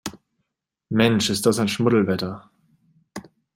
Mensch, ist das ein Schmuddelwetter!